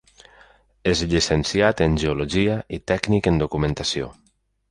És Llicenciat en Geologia i Tècnic en Documentació.